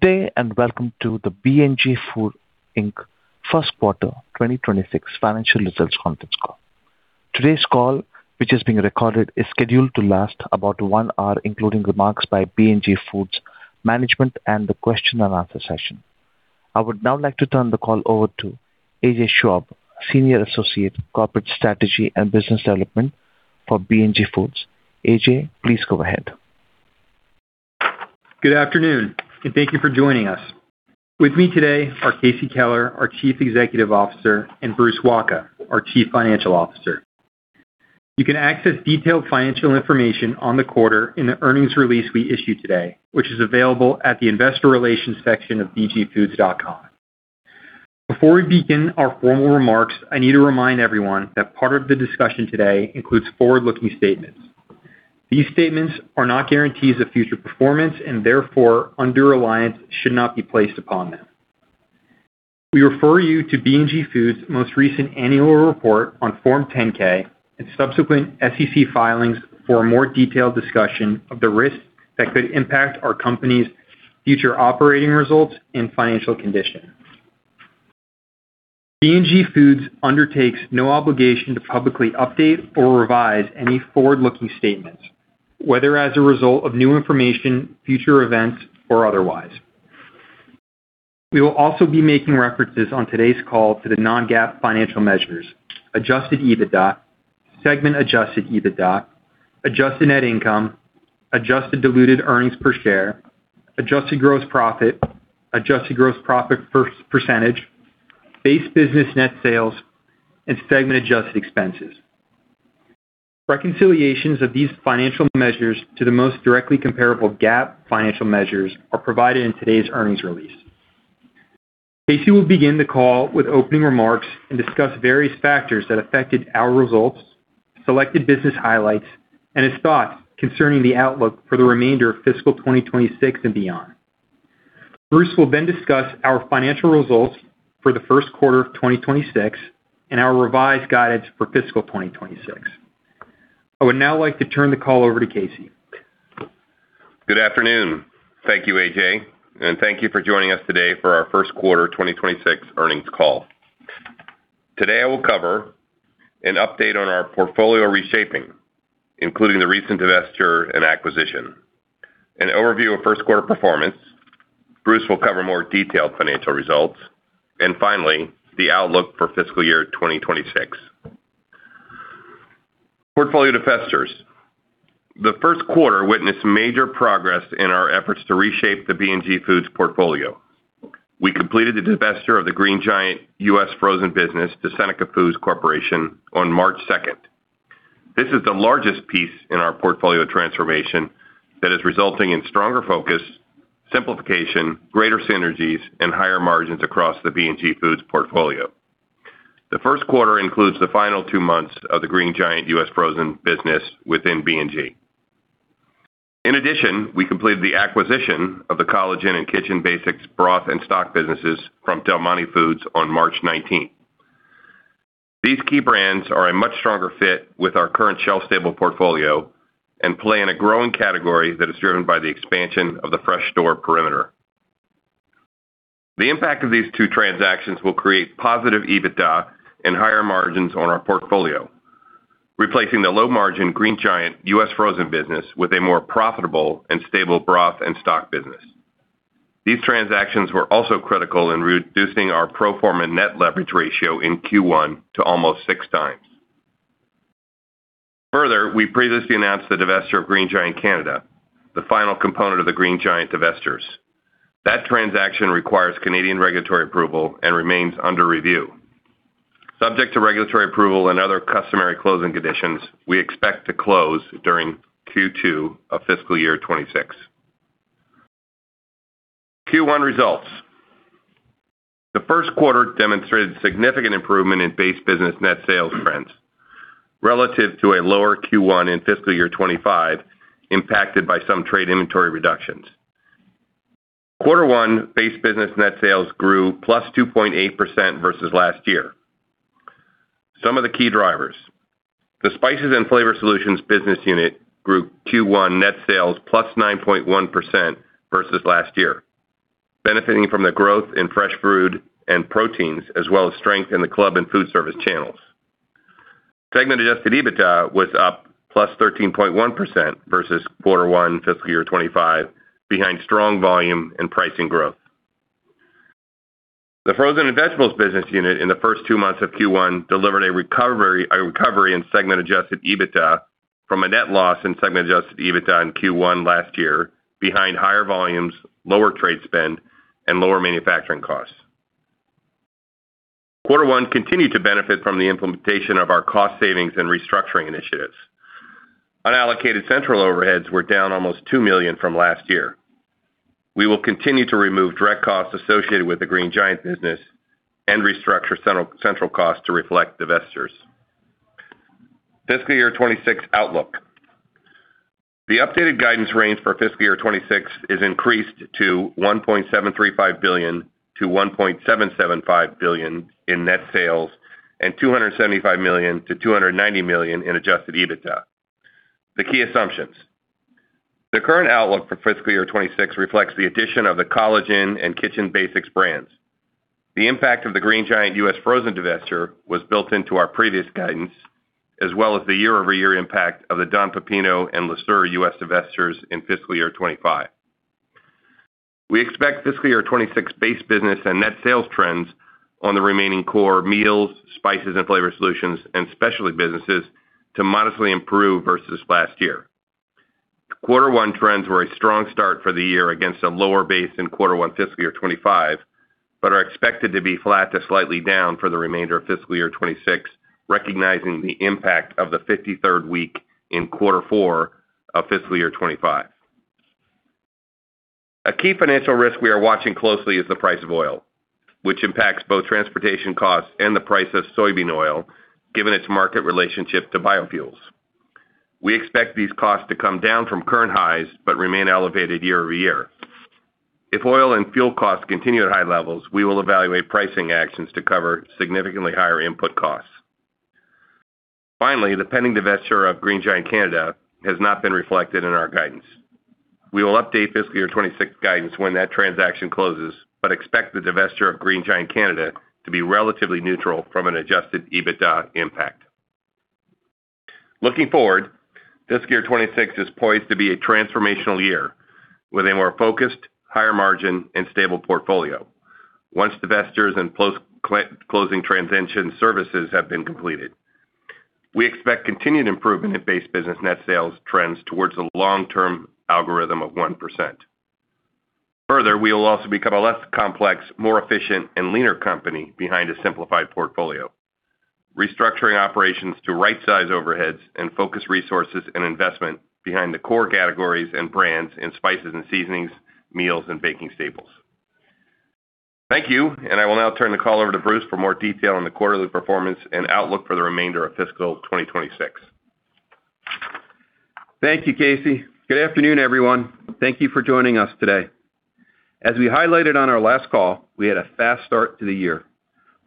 Good day, welcome to the B&G Foods, Inc first quarter 2026 financial results conference call. Today's call, which is being recorded, is scheduled to last about one hour, including remarks by B&G Foods management and the question-and-answer session. I would now like to turn the call over to AJ Schwabe, Senior Associate, Corporate Strategy and Business Development for B&G Foods. AJ, please go ahead. Good afternoon, and thank you for joining us. With me today are Casey Keller, our Chief Executive Officer, and Bruce Wacha, our Chief Financial Officer. You can access detailed financial information on the quarter in the earnings release we issued today, which is available at the investor relations section of bgfoods.com. Before we begin our formal remarks, I need to remind everyone that part of the discussion today includes forward-looking statements. These statements are not guarantees of future performance and therefore undue reliance should not be placed upon them. We refer you to B&G Foods most recent annual report on Form 10-K and subsequent SEC filings for a more detailed discussion of the risks that could impact our company's future operating results and financial condition. B&G Foods undertakes no obligation to publicly update or revise any forward-looking statements, whether as a result of new information, future events, or otherwise. We will also be making references on today's call to the non-GAAP financial measures, adjusted EBITDA, segment adjusted EBITDA, adjusted net income, adjusted diluted earnings per share, adjusted gross profit, adjusted gross profit percentage, base business net sales, and segment adjusted expenses. Reconciliations of these financial measures to the most directly comparable GAAP financial measures are provided in today's earnings release. Casey will begin the call with opening remarks and discuss various factors that affected our results, selected business highlights, and his thoughts concerning the outlook for the remainder of fiscal 2026 and beyond. Bruce will then discuss our financial results for the first quarter of 2026 and our revised guidance for fiscal 2026. I would now like to turn the call over to Casey. Good afternoon. Thank you, AJ, and thank you for joining us today for our first quarter 2026 earnings call. Today I will cover an update on our portfolio reshaping, including the recent divestiture and acquisition, an overview of first quarter performance. Bruce will cover more detailed financial results. Finally, the outlook for fiscal year 2026. Portfolio divestitures. The first quarter witnessed major progress in our efforts to reshape the B&G Foods portfolio. We completed the divestiture of the Green Giant U.S. frozen business to Seneca Foods Corporation on March 2nd. This is the largest piece in our portfolio transformation that is resulting in stronger focus, simplification, greater synergies, and higher margins across the B&G Foods portfolio. The first quarter includes the final two months of the Green Giant U.S. frozen business within B&G. In addition, we completed the acquisition of the College Inn and Kitchen Basics broth and stock businesses from Del Monte Foods on March nineteenth. These key brands are a much stronger fit with our current shelf-stable portfolio and play in a growing category that is driven by the expansion of the fresh store perimeter. The impact of these two transactions will create positive EBITDA and higher margins on our portfolio, replacing the low-margin Green Giant U.S. frozen business with a more profitable and stable broth and stock business. These transactions were also critical in reducing our pro forma net leverage ratio in Q1 to almost 6x. Further, we previously announced the divesture of Green Giant Canada, the final component of the Green Giant divestitures. That transaction requires Canadian regulatory approval and remains under review. Subject to regulatory approval and other customary closing conditions, we expect to close during Q2 of fiscal year 2026. Q1 results. The first quarter demonstrated significant improvement in base business net sales trends relative to a lower Q1 in fiscal year 2025, impacted by some trade inventory reductions. Quarter one base business net sales grew +2.8% versus last year. Some of the key drivers. The Spices & Flavor Solutions business unit grew Q1 net sales +9.1% versus last year, benefiting from the growth in fresh food and proteins, as well as strength in the club and foodservice channels. Segment adjusted EBITDA was up +13.1% versus quarter one fiscal year 2025, behind strong volume and pricing growth. The Frozen & Vegetables business unit in the first two months of Q1 delivered a recovery in segment adjusted EBITDA from a net loss in segment adjusted EBITDA in Q1 last year behind higher volumes, lower trade spend, and lower manufacturing costs. Quarter one continued to benefit from the implementation of our cost savings and restructuring initiatives. Unallocated central overheads were down almost $2 million from last year. We will continue to remove direct costs associated with the Green Giant business and restructure central costs to reflect divestitures. Fiscal year 2026 outlook. The updated guidance range for fiscal year 2026 is increased to $1.735 billion-$1.775 billion in net sales and $275 million-$290 million in adjusted EBITDA. The key assumptions. The current outlook for fiscal year 2026 reflects the addition of the College Inn and Kitchen Basics brands. The impact of the Green Giant U.S. frozen divestiture was built into our previous guidance, as well as the year-over-year impact of the Don Pepino and Le Sueur U.S. divestitures in fiscal year 2025. We expect fiscal year 2026 base business and net sales trends on the remaining core Meals, Spices & Flavor Solutions and Specialty businesses to modestly improve versus last year. Quarter one trends were a strong start for the year against a lower base in quarter one fiscal year 2025, but are expected to be flat to slightly down for the remainder of fiscal year 2026, recognizing the impact of the 53rd week in quarter four of fiscal year 2025. A key financial risk we are watching closely is the price of oil, which impacts both transportation costs and the price of soybean oil, given its market relationship to biofuels. We expect these costs to come down from current highs but remain elevated year-over-year. If oil and fuel costs continue at high levels, we will evaluate pricing actions to cover significantly higher input costs. Finally, the pending divestiture of Green Giant Canada has not been reflected in our guidance. We will update fiscal year 2026 guidance when that transaction closes, but expect the divestiture of Green Giant Canada to be relatively neutral from an adjusted EBITDA impact. Looking forward, fiscal year 2026 is poised to be a transformational year with a more focused, higher margin, and stable portfolio once divestitures and post-closing transition services have been completed. We expect continued improvement in base business net sales trends towards a long-term algorithm of 1%. Further, we will also become a less complex, more efficient, and leaner company behind a simplified portfolio, restructuring operations to right-size overheads and focus resources and investment behind the core categories and brands in Spices & Flavor Solutions, Meals, and baking staples. Thank you, and I will now turn the call over to Bruce for more detail on the quarterly performance and outlook for the remainder of fiscal 2026. Thank you, Casey. Good afternoon, everyone. Thank you for joining us today. As we highlighted on our last call, we had a fast start to the year.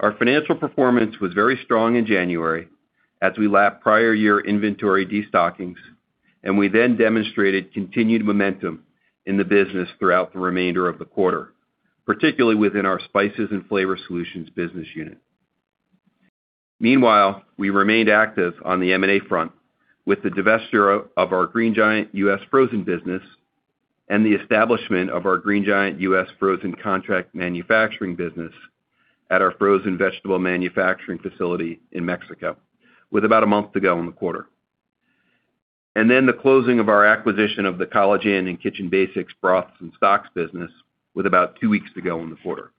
Our financial performance was very strong in January as we lapped prior-year inventory destockings. We then demonstrated continued momentum in the business throughout the remainder of the quarter, particularly within our Spices & Flavor Solutions business unit. Meanwhile, we remained active on the M&A front with the divestiture of our Green Giant U.S. frozen business and the establishment of our Green Giant U.S. frozen contract manufacturing business at our frozen vegetable manufacturing facility in Mexico, with about a month to go in the quarter. The closing of our acquisition of the College Inn and Kitchen Basics broths and stocks business with about two weeks to go in the quarter.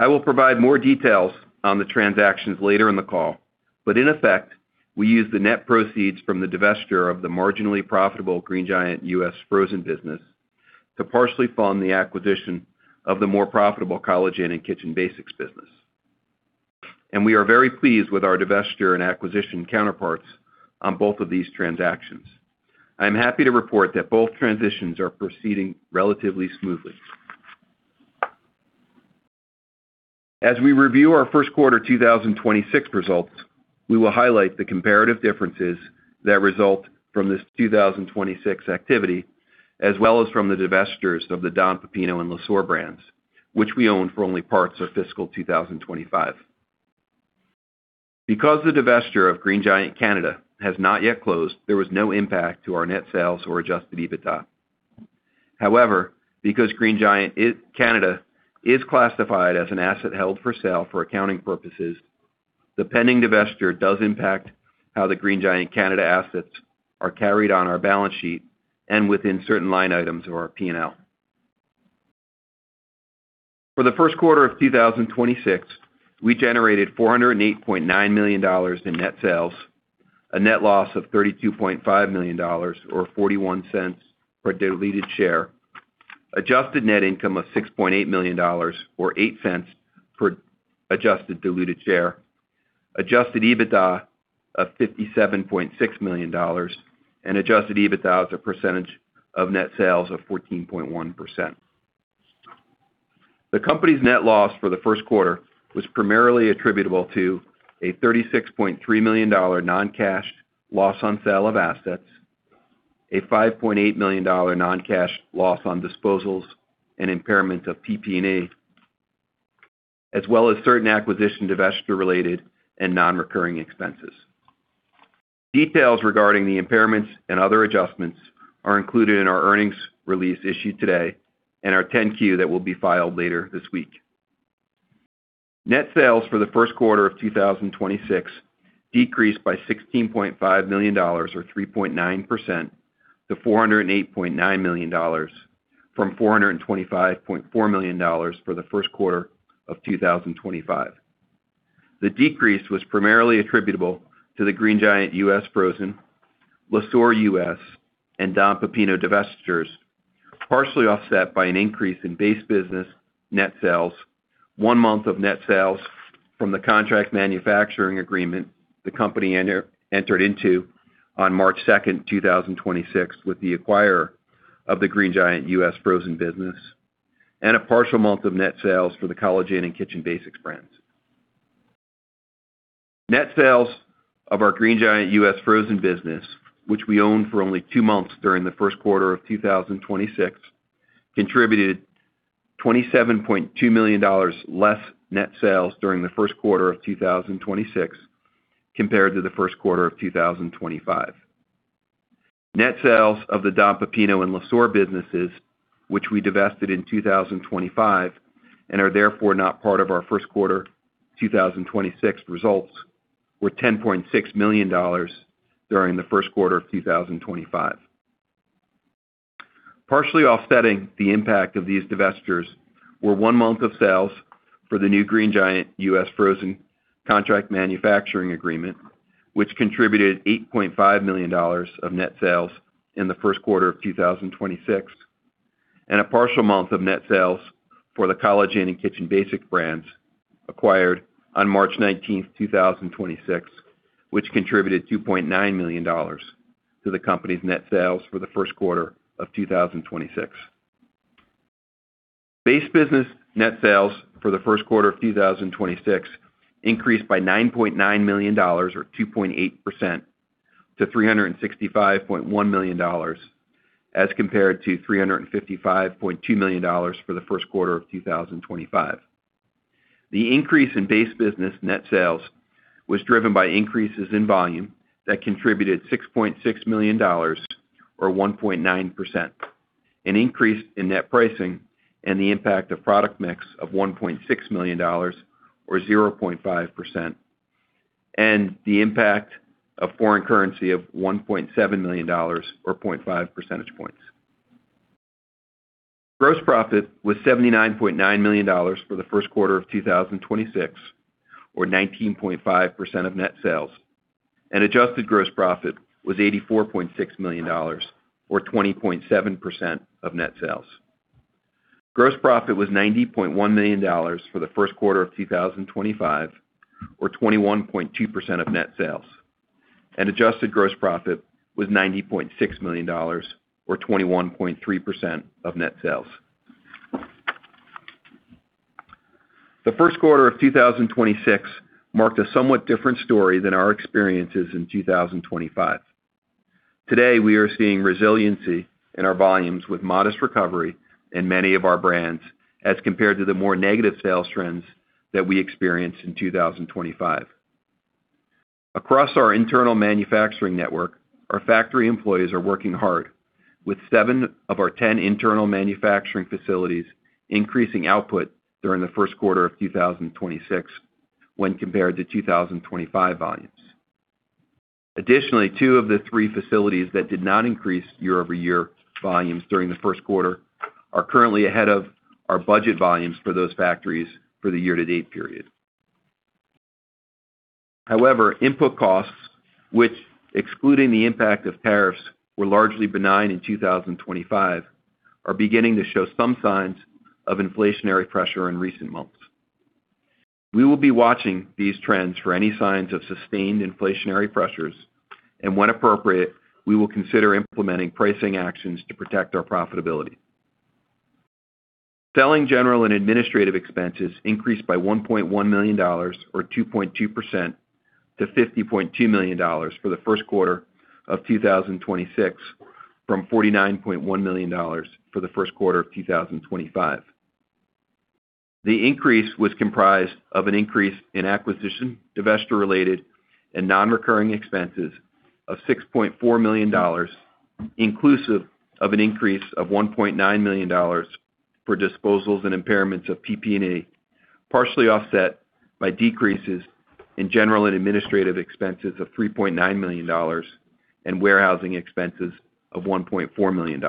I will provide more details on the transactions later in the call, but in effect, we used the net proceeds from the divestiture of the marginally profitable Green Giant U.S. frozen business to partially fund the acquisition of the more profitable College Inn and Kitchen Basics business. We are very pleased with our divestiture and acquisition counterparts on both of these transactions. I am happy to report that both transitions are proceeding relatively smoothly. As we review our first quarter 2026 results, we will highlight the comparative differences that result from this 2026 activity, as well as from the divestitures of the Don Pepino and Le Sueur brands, which we owned for only parts of fiscal 2025. Because the divestiture of Green Giant Canada has not yet closed, there was no impact to our net sales or adjusted EBITDA. However, because Green Giant Canada is classified as an asset held for sale for accounting purposes, the pending divestiture does impact how the Green Giant Canada assets are carried on our balance sheet and within certain line items of our P&L. For the first quarter of 2026, we generated $408.9 million in net sales, a net loss of $32.5 million or $0.41 per diluted share, adjusted net income of $6.8 million or $0.08 per adjusted diluted share, adjusted EBITDA of $57.6 million, and adjusted EBITDA as a percentage of net sales of 14.1%. The company's net loss for the first quarter was primarily attributable to a $36.3 million non-cash loss on sale of assets, a $5.8 million non-cash loss on disposals and impairment of PP&E, as well as certain acquisition, divestiture related and non-recurring expenses. Details regarding the impairments and other adjustments are included in our earnings release issued today and our 10-Q that will be filed later this week. Net sales for the first quarter of 2026 decreased by $16.5 million or 3.9% to $408.9 million from $425.4 million for the first quarter of 2025. The decrease was primarily attributable to the Green Giant U.S. frozen, Le Sueur U.S., and Don Pepino divestitures, partially offset by an increase in base business net sales, one month of net sales from the contract manufacturing agreement the company entered into on March 2, 2026 with the acquirer of the Green Giant U.S. frozen business, and a partial month of net sales for the College Inn and Kitchen Basics brands. Net sales of our Green Giant U.S. frozen business, which we owned for only two months during the first quarter of 2026, contributed $27.2 million less net sales during the first quarter of 2026 compared to the first quarter of 2025. Net sales of the Don Pepino and Le Sueur businesses, which we divested in 2025 and are therefore not part of our first quarter 2026 results, were $10.6 million during the first quarter of 2025. Partially offsetting the impact of these divestitures were one month of sales for the new Green Giant U.S. frozen contract manufacturing agreement, which contributed $8.5 million of net sales in the first quarter of 2026, and a partial month of net sales for the College Inn and Kitchen Basics brands acquired on March 19th, 2026, which contributed $2.9 million to the company's net sales for the first quarter of 2026. Base business net sales for the first quarter of 2026 increased by $9.9 million or 2.8% to $365.1 million as compared to $355.2 million for the first quarter of 2025. The increase in base business net sales was driven by increases in volume that contributed $6.6 million or 1.9%, an increase in net pricing, and the impact of product mix of $1.6 million or 0.5%, and the impact of foreign currency of $1.7 million or 0.5 percentage points. Gross profit was $79.9 million for the first quarter of 2026 or 19.5% of net sales, and adjusted gross profit was $84.6 million or 20.7% of net sales. Gross profit was $90.1 million for the first quarter of 2025 or 21.2% of net sales, and adjusted gross profit was $90.6 million or 21.3% of net sales. The first quarter of 2026 marked a somewhat different story than our experiences in 2025. Today, we are seeing resiliency in our volumes with modest recovery in many of our brands as compared to the more negative sales trends that we experienced in 2025. Across our internal manufacturing network, our factory employees are working hard with seven of our 10 internal manufacturing facilities increasing output during the first quarter of 2026 when compared to 2025 volumes. Additionally, two of the three facilities that did not increase year-over-year volumes during the first quarter are currently ahead of our budget volumes for those factories for the year-to-date period. However, input costs, which, excluding the impact of tariffs were largely benign in 2025, are beginning to show some signs of inflationary pressure in recent months. We will be watching these trends for any signs of sustained inflationary pressures, and when appropriate, we will consider implementing pricing actions to protect our profitability. Selling, general, and administrative expenses increased by $1.1 million or 2.2% to $50.2 million for the first quarter of 2026, from $49.1 million for the first quarter of 2025. The increase was comprised of an increase in acquisition/divestiture-related and non-recurring expenses of $6.4 million, inclusive of an increase of $1.9 million for disposals and impairments of PP&E, partially offset by decreases in general and administrative expenses of $3.9 million and warehousing expenses of $1.4 million.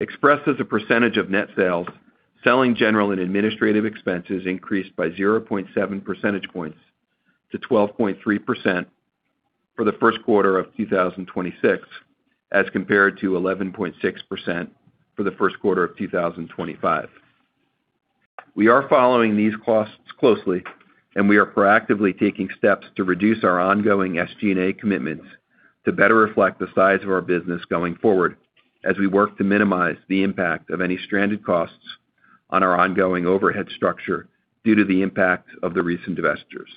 Expressed as a percentage of net sales, selling, general, and administrative expenses increased by 0.7 percentage points to 12.3% for the first quarter of 2026 as compared to 11.6% for the first quarter of 2025. We are following these costs closely, and we are proactively taking steps to reduce our ongoing SG&A commitments to better reflect the size of our business going forward as we work to minimize the impact of any stranded costs on our ongoing overhead structure due to the impact of the recent divestitures.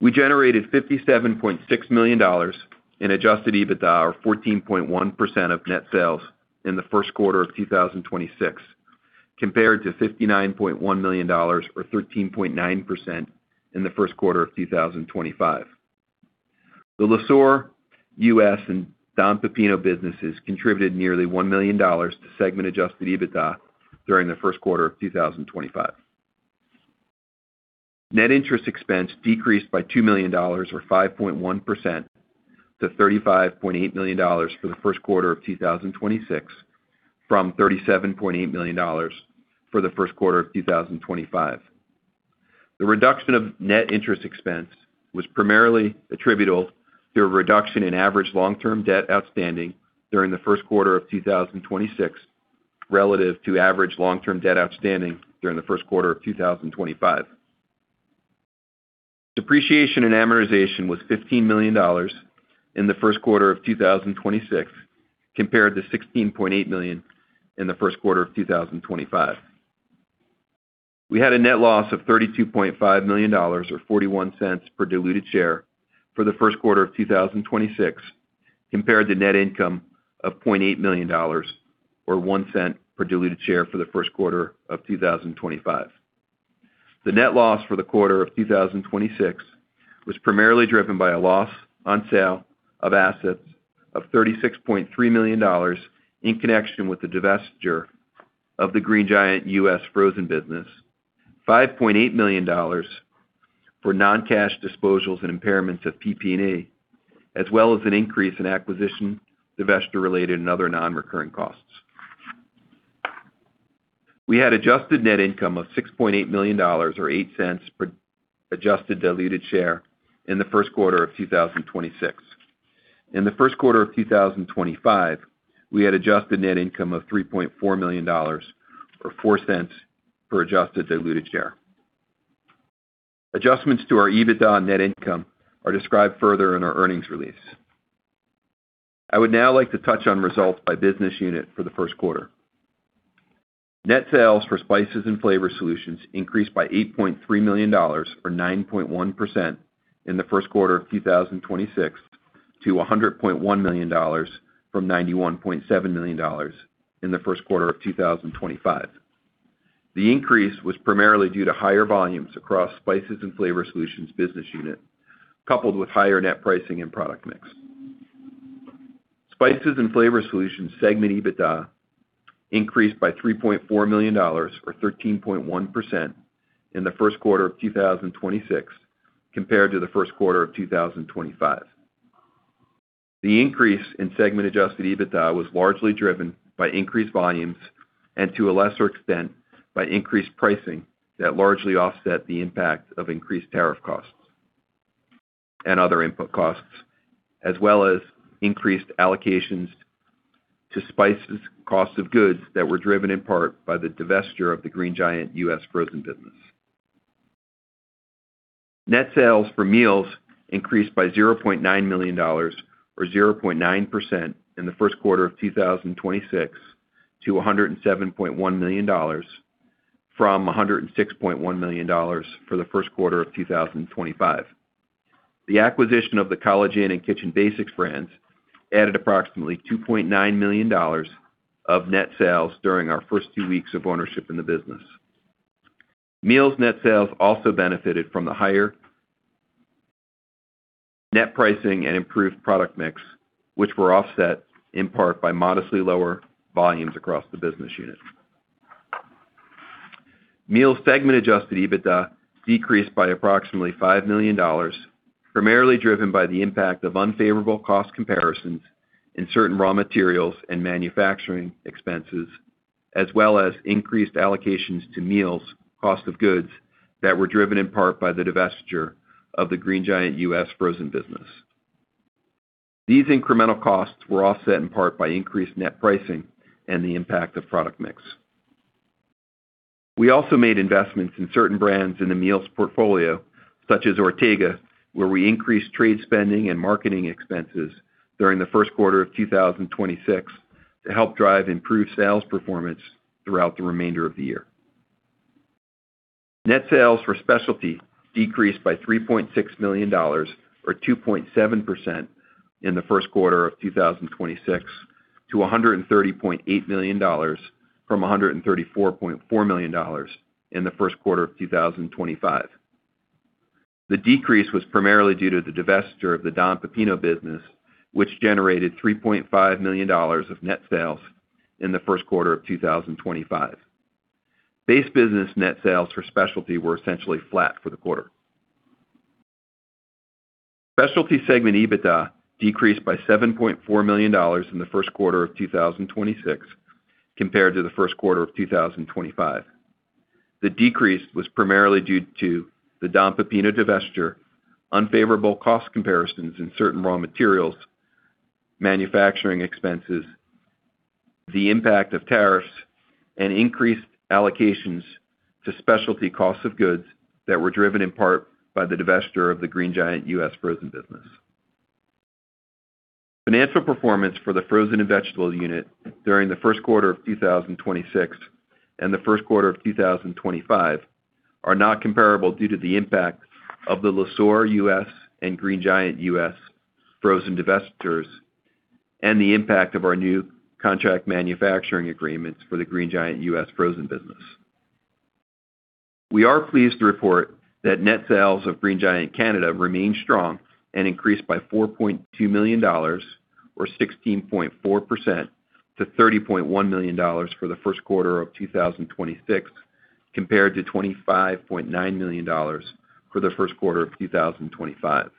We generated $57.6 million in adjusted EBITDA or 14.1% of net sales in the first quarter of 2026, compared to $59.1 million or 13.9% in the first quarter of 2025. The Le Sueur U.S. and Don Pepino businesses contributed nearly $1 million to segment adjusted EBITDA during the first quarter of 2025. Net interest expense decreased by $2 million or 5.1% to $35.8 million for the first quarter of 2026 from $37.8 million for the first quarter of 2025. The reduction of net interest expense was primarily attributable to a reduction in average long-term debt outstanding during the first quarter of 2026 relative to average long-term debt outstanding during the first quarter of 2025. Depreciation and amortization was $15 million in the first quarter of 2026, compared to $16.8 million in the first quarter of 2025. We had a net loss of $32.5 million, or $0.41 per diluted share for the first quarter of 2026, compared to net income of $0.8 million, or $0.01 per diluted share for the first quarter of 2025. The net loss for the quarter of 2026 was primarily driven by a loss on sale of assets of $36.3 million in connection with the divestiture of the Green Giant U.S. frozen business, $5.8 million for non-cash disposals and impairments of PP&E, as well as an increase in acquisition/divestiture-related and other non-recurring costs. We had adjusted net income of $6.8 million, or $0.08 per adjusted diluted share in the first quarter of 2026. In the first quarter of 2025, we had adjusted net income of $3.4 million, or $0.04 per adjusted diluted share. Adjustments to our EBITDA and net income are described further in our earnings release. I would now like to touch on results by business unit for the first quarter. Net sales for Spices & Flavor Solutions increased by $8.3 million, or 9.1% in the first quarter of 2026 to $100.1 million from $91.7 million in the first quarter of 2025. The increase was primarily due to higher volumes across Spices & Flavor Solutions business unit, coupled with higher net pricing and product mix. Spices and Flavor Solutions segment EBITDA increased by $3.4 million, or 13.1% in the first quarter of 2026 compared to the first quarter of 2025. The increase in segment adjusted EBITDA was largely driven by increased volumes and to a lesser extent, by increased pricing that largely offset the impact of increased tariff costs and other input costs, as well as increased allocations to Spices cost of goods that were driven in part by the divestiture of the Green Giant U.S. frozen business. Net sales for Meals increased by $0.9 million, or 0.9% in the first quarter of 2026 to $107.1 million from $106.1 million for the first quarter of 2025. The acquisition of the College Inn and Kitchen Basics brands added approximately $2.9 million of net sales during our first two weeks of ownership in the business. Meals net sales also benefited from the higher net pricing and improved product mix, which were offset in part by modestly lower volumes across the business unit. Meals segment adjusted EBITDA decreased by approximately $5 million, primarily driven by the impact of unfavorable cost comparisons in certain raw materials and manufacturing expenses, as well as increased allocations to Meals cost of goods that were driven in part by the divestiture of the Green Giant U.S. frozen business. These incremental costs were offset in part by increased net pricing and the impact of product mix. We also made investments in certain brands in the Meals portfolio, such as Ortega, where we increased trade spending and marketing expenses during the first quarter of 2026 to help drive improved sales performance throughout the remainder of the year. Net sales for Specialty decreased by $3.6 million, or 2.7% in the first quarter of 2026 to $130.8 million from $134.4 million in the first quarter of 2025. The decrease was primarily due to the divestiture of the Don Pepino business, which generated $3.5 million of net sales in the first quarter of 2025. Base business net sales for Specialty were essentially flat for the quarter. Specialty segment EBITDA decreased by $7.4 million in the first quarter of 2026 compared to the first quarter of 2025. The decrease was primarily due to the Don Pepino divestiture, unfavorable cost comparisons in certain raw materials, manufacturing expenses, the impact of tariffs, and increased allocations to Specialty cost of goods that were driven in part by the divestiture of the Green Giant U.S. frozen business. Financial performance for the Frozen & Vegetables unit during the first quarter of 2026 and the first quarter of 2025 are not comparable due to the impact of the Le Sueur U.S. and Green Giant U.S. frozen divestitures and the impact of our new contract manufacturing agreements for the Green Giant U.S. frozen business. We are pleased to report that net sales of Green Giant Canada remained strong and increased by $4.2 million, or 16.4% to $30.1 million for the first quarter of 2026, compared to $25.9 million for the first quarter of 2025.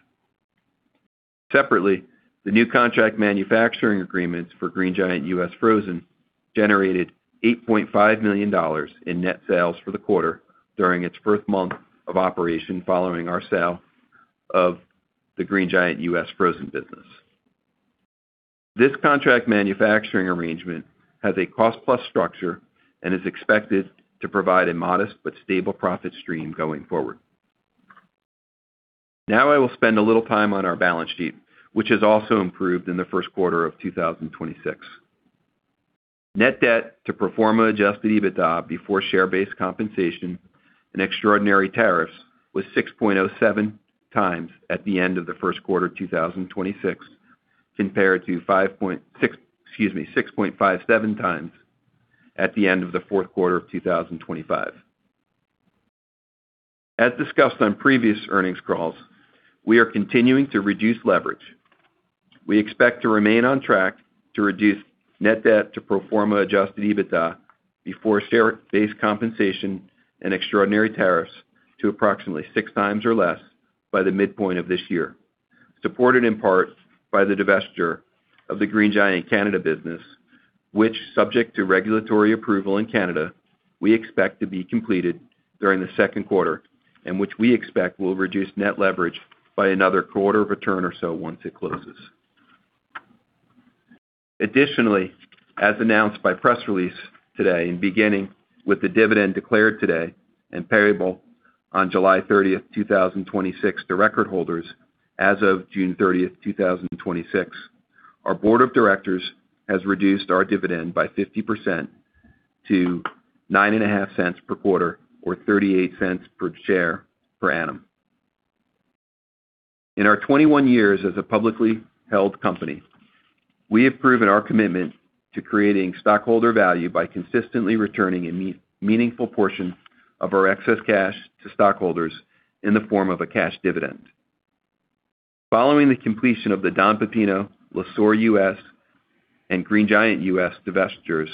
Separately, the new contract manufacturing agreements for Green Giant U.S. frozen generated $8.5 million in net sales for the quarter during its first month of operation following our sale of the Green Giant U.S. frozen business. This contract manufacturing arrangement has a cost-plus structure and is expected to provide a modest but stable profit stream going forward. I will spend a little time on our balance sheet, which has also improved in the first quarter of 2026. Net debt to pro forma adjusted EBITDA before share-based compensation and extraordinary tariffs was 6.07x at the end of the first quarter of 2026, compared to excuse me, 6.57x at the end of the fourth quarter of 2025. As discussed on previous earnings calls, we are continuing to reduce leverage. We expect to remain on track to reduce net debt to pro forma adjusted EBITDA before share-based compensation and extraordinary tariffs to approximately 6x or less by the midpoint of this year, supported in part by the divestiture of the Green Giant Canada business, which, subject to regulatory approval in Canada, we expect to be completed during the second quarter and which we expect will reduce net leverage by another quarter of a turn or so once it closes. Additionally, as announced by press release today, beginning with the dividend declared today and payable on July 30th, 2026 to record holders as of June 30th, 2026, our Board of Directors has reduced our dividend by 50% to $0.095 per quarter or $0.38 per share per annum. In our 21 years as a publicly held company, we have proven our commitment to creating stockholder value by consistently returning a meaningful portion of our excess cash to stockholders in the form of a cash dividend. Following the completion of the Don Pepino, Le Sueur U.S., and Green Giant U.S. divestitures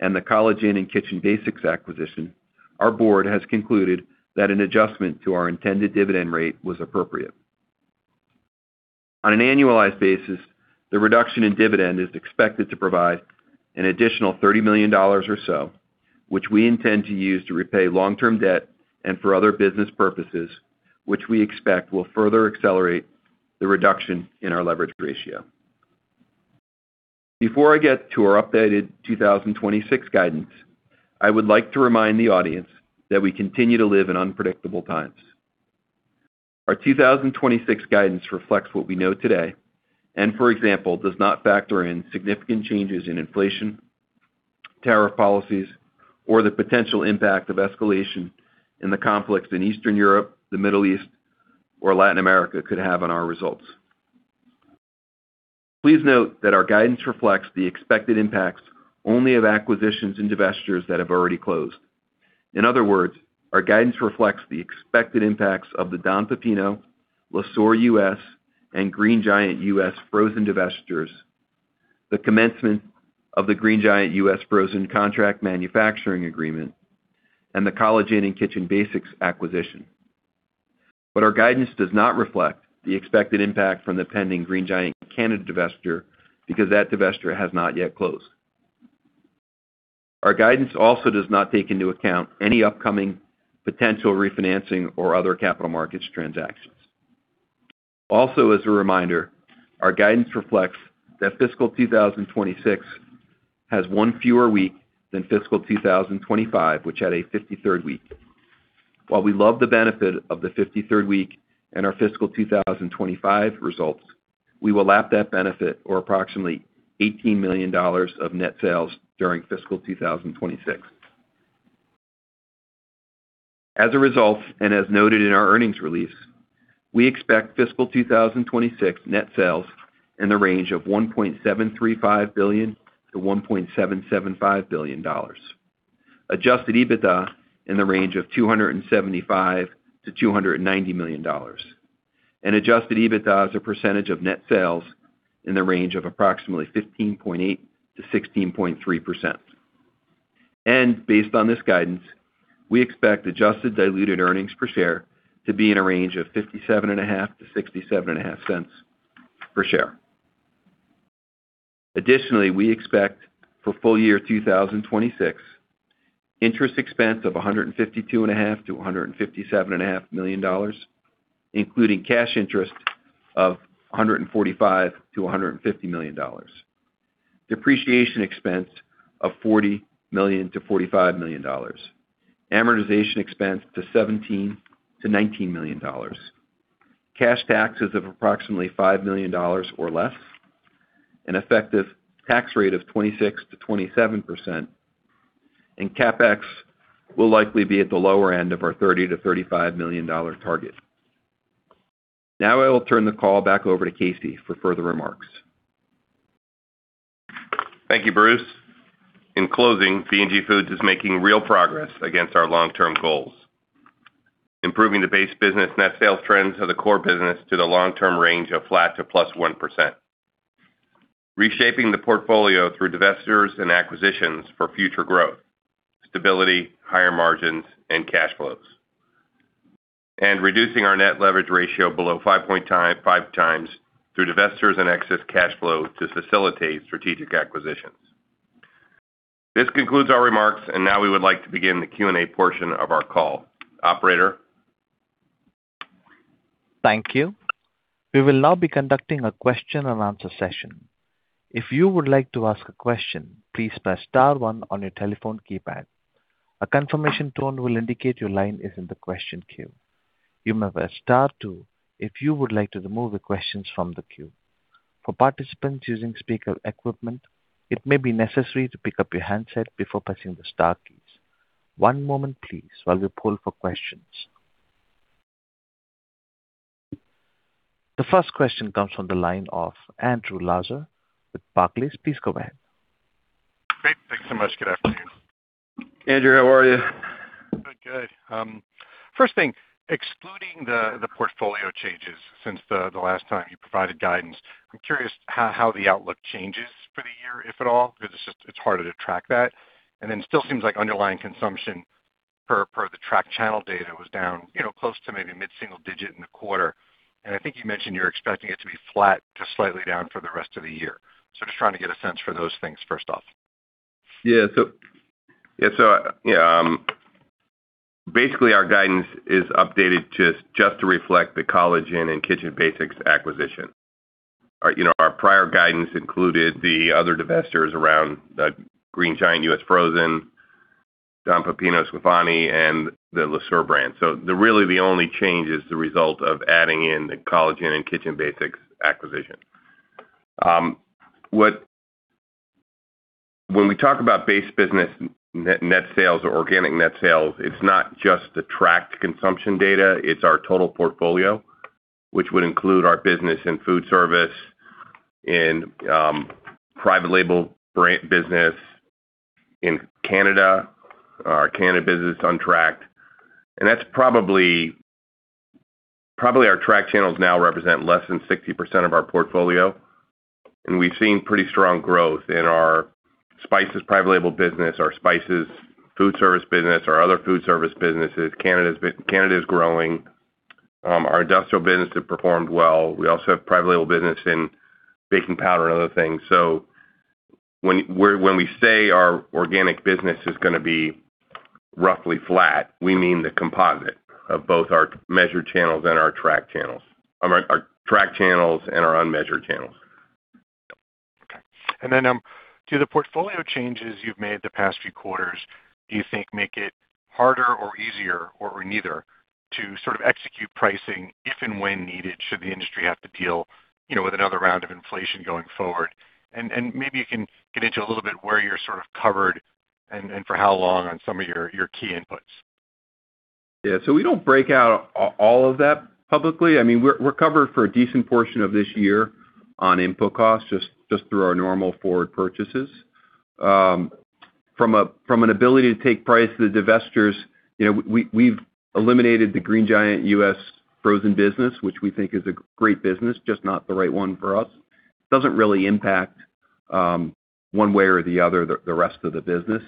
and the College Inn and Kitchen Basics acquisition, our board has concluded that an adjustment to our intended dividend rate was appropriate. On an annualized basis, the reduction in dividend is expected to provide an additional $30 million or so, which we intend to use to repay long-term debt and for other business purposes, which we expect will further accelerate the reduction in our leverage ratio. Before I get to our updated 2026 guidance, I would like to remind the audience that we continue to live in unpredictable times. Our 2026 guidance reflects what we know today and, for example, does not factor in significant changes in inflation, tariff policies, or the potential impact of escalation in the conflicts in Eastern Europe, the Middle East, or Latin America could have on our results. Please note that our guidance reflects the expected impacts only of acquisitions and divestitures that have already closed. In other words, our guidance reflects the expected impacts of the Don Pepino, Le Sueur U.S., and Green Giant U.S. frozen divestitures, the commencement of the Green Giant U.S. frozen contract manufacturing agreement, and the College Inn and Kitchen Basics acquisition. Our guidance does not reflect the expected impact from the pending Green Giant Canada divestiture because that divestiture has not yet closed. Our guidance also does not take into account any upcoming potential refinancing or other capital markets transactions. As a reminder, our guidance reflects that fiscal 2026 has 1 fewer week than fiscal 2025, which had a 53rd week. While we love the benefit of the 53rd week and our fiscal 2025 results, we will lap that benefit or approximately $18 million of net sales during fiscal 2026. As a result, as noted in our earnings release, we expect fiscal 2026 net sales in the range of $1.735 billion-$1.775 billion, adjusted EBITDA in the range of $275 million-$290 million, and adjusted EBITDA as a percentage of net sales in the range of approximately 15.8%-16.3%. Based on this guidance, we expect adjusted diluted earnings per share to be in a range of $0.575-$0.675 per share. Additionally, we expect for full year 2026 interest expense of $152.5 million-$157.5 million, including cash interest of $145 million-$150 million, depreciation expense of $40 million-$45 million, amortization expense to $17 million-$19 million, cash taxes of approximately $5 million or less, an effective tax rate of 26%-27%, and CapEx will likely be at the lower end of our $30 million-$35 million target. I will turn the call back over to Casey for further remarks. Thank you, Bruce. In closing, B&G Foods is making real progress against our long-term goals. Improving the base business net sales trends of the core business to the long-term range of flat to +1%. Reshaping the portfolio through divestitures and acquisitions for future growth, stability, higher margins, and cash flows. Reducing our net leverage ratio below 5x through divestitures and excess cash flow to facilitate strategic acquisitions. This concludes our remarks, and now we would like to begin the Q&A portion of our call. Operator? Thank you. We will now be conducting a question-and-answer session. If you would like to ask a question, please press star one on your telephone keypad. A confirmation tone will indicate your line is in the question queue. You may press star two if you would like to remove the questions from the queue. For participants using speaker equipment, it may be necessary to pick up your handset before pressing the star keys. One moment please while we poll for questions. The first question comes from the line of Andrew Lazar with Barclays. Please go ahead. Great. Thanks so much. Good afternoon. Andrew, how are you? Good. Good. First thing, excluding the portfolio changes since the last time you provided guidance, I'm curious how the outlook changes for the year, if at all, because it's just, it's harder to track that. Still seems like underlying consumption per the track channel data was down, you know, close to maybe mid-single digit in the quarter. I think you mentioned you're expecting it to be flat to slightly down for the rest of the year. Just trying to get a sense for those things, first off. Basically our guidance is updated just to reflect the College Inn and Kitchen Basics acquisition. Our, you know, our prior guidance included the other divestitures around the Green Giant U.S. frozen, Don Pepino, Sclafani, and the Le Sueur brand. The really, the only change is the result of adding in the College Inn and Kitchen Basics acquisition. When we talk about base business net sales or organic net sales, it's not just the tracked consumption data, it's our total portfolio, which would include our business in foodservice, in private label brand business in Canada, our Canada business on track. That's probably our track channels now represent less than 60% of our portfolio. We've seen pretty strong growth in our spices private label business, our spices foodservice business, our other foodservice businesses. Canada is growing. Our industrial business have performed well. We also have private label business in baking powder and other things. When we say our organic business is gonna be roughly flat, we mean the composite of both our measured channels and our track channels. Our track channels and our unmeasured channels. Okay. Do the portfolio changes you've made the past few quarters, do you think make it harder or easier or neither to sort of execute pricing if and when needed should the industry have to deal, you know, with another round of inflation going forward? Maybe you can get into a little bit where you're sort of covered and, for how long on some of your key inputs. Yeah. We don't break out all of that publicly. I mean, we're covered for a decent portion of this year on input costs just through our normal forward purchases. From an ability to take price to the divestitures, you know, we've eliminated the Green Giant U.S. frozen business, which we think is a great business, just not the right one for us. It doesn't really impact one way or the other the rest of the business.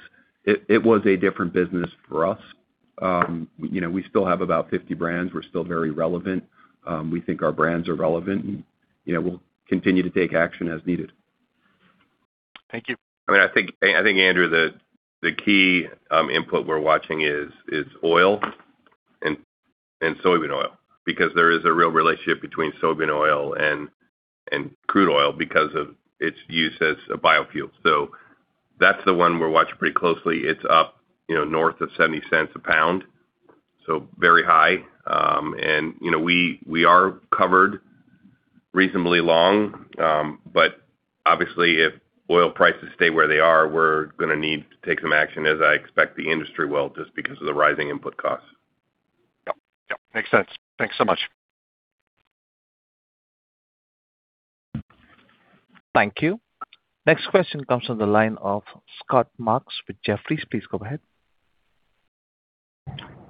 It was a different business for us. You know, we still have about 50 brands. We're still very relevant. We think our brands are relevant and, you know, we'll continue to take action as needed. Thank you. I mean, I think, Andrew, the key input we're watching is oil and soybean oil because there is a real relationship between soybean oil and crude oil because of its use as a biofuel. That's the one we're watching pretty closely. It's up, you know, north of $0.70 a pound, so very high. You know, we are covered reasonably long, but obviously if oil prices stay where they are, we're gonna need to take some action as I expect the industry will just because of the rising input costs. Yep. Yep. Makes sense. Thanks so much. Thank you. Next question comes from the line of Scott Marks with Jefferies. Please go ahead.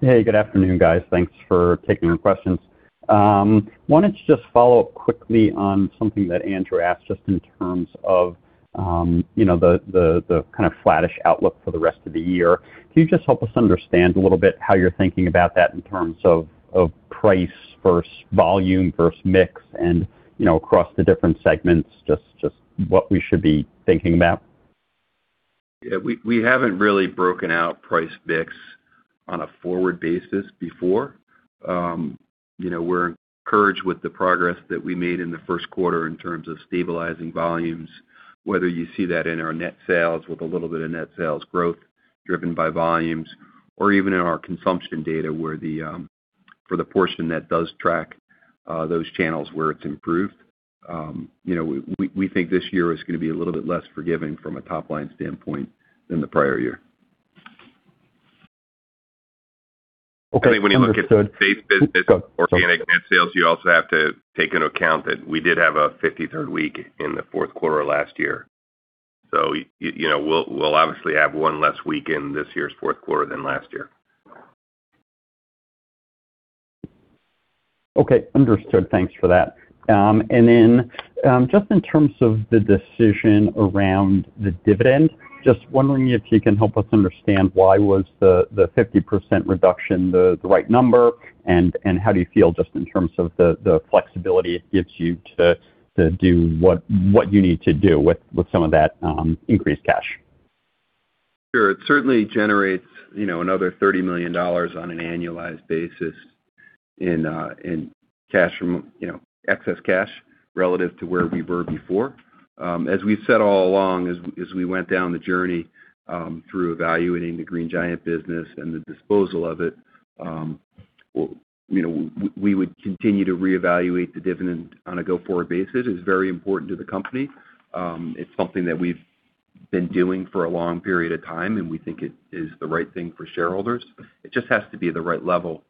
Hey, good afternoon, guys. Thanks for taking the questions. I wanted to just follow up quickly on something that Andrew asked just in terms of, you know, the, the kind of flattish outlook for the rest of the year. Can you just help us understand a little bit how you're thinking about that in terms of price versus volume versus mix and, you know, across the different segments, just what we should be thinking about? We haven't really broken out price mix on a forward basis before. you know, we're encouraged with the progress that we made in the first quarter in terms of stabilizing volumes, whether you see that in our net sales with a little bit of net sales growth driven by volumes or even in our consumption data where the, for the portion that does track, those channels where it's improved. you know, we think this year is gonna be a little bit less forgiving from a top-line standpoint than the prior year. Okay. Understood. I mean, when you look at base business. Go ahead, sorry. Organic net sales, you also have to take into account that we did have a 53rd week in the fourth quarter last year. you know, we'll obviously have one less week in this year's fourth quarter than last year. Okay. Understood. Thanks for that. Just in terms of the decision around the dividend, just wondering if you can help us understand why was the 50% reduction the right number and how do you feel just in terms of the flexibility it gives you to do what you need to do with some of that increased cash? Sure. It certainly generates, you know, another $30 million on an annualized basis in cash from, you know, excess cash relative to where we were before. As we've said all along, as we went down the journey, through evaluating the Green Giant business and the disposal of it, well, you know, we would continue to reevaluate the dividend on a go-forward basis. It's very important to the company. It's something that we've been doing for a long period of time, and we think it is the right thing for shareholders. It just has to be the right level,